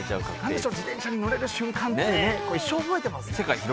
乗れる瞬間って一生覚えてますよね。